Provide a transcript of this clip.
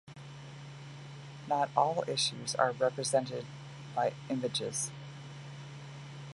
Not all issues are represented by images.